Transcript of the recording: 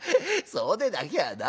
そうでなきゃなあ。